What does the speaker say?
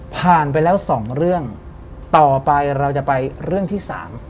ผ่านไปแล้วสองเรื่องต่อไปเราจะไปเรื่องที่สาม